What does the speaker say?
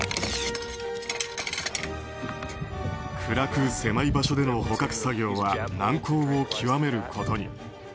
暗く狭い場所での捕獲作業は難航を極めることに。